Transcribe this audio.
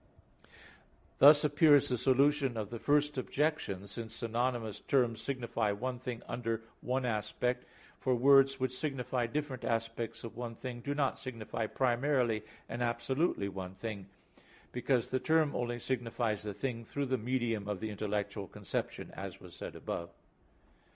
Thus appears the solution of the First Objection, since synonymous terms signify one thing under one aspect; for words which signify different aspects of one thing, do not signify primarily and absolutely one thing; because the term only signifies the thing through the medium of the intellectual conception, as was said above.